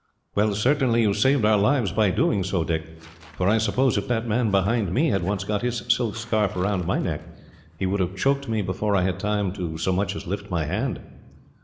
"Well, certainly you saved our lives by doing so, Dick; for I suppose, if that man behind me had once got his silk scarf round my neck, he would have choked me before I had time to so much as lift my hand."